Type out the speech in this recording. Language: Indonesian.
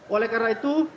oleh karena itu